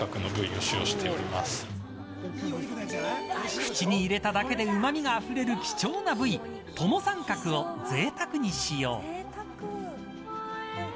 口に入れただけでうまみがあふれる貴重な部位トモサンカクをぜいたくに使用。